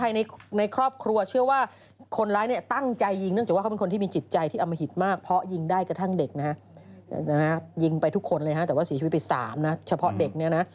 ยิงไปทุกคนเลยฮะแต่ว่าสีชีวิตไป๓นะเฉพาะเด็กเนี่ยนะ